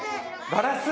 ガラス？